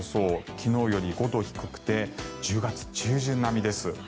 昨日より５度低くて１０月中旬並みです。